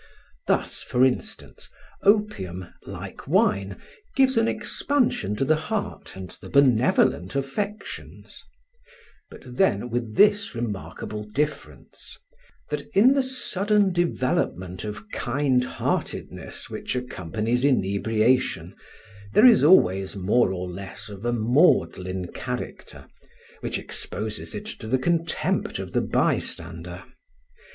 Thus, for instance, opium, like wine, gives an expansion to the heart and the benevolent affections; but then, with this remarkable difference, that in the sudden development of kind heartedness which accompanies inebriation there is always more or less of a maudlin character, which exposes it to the contempt of the bystander.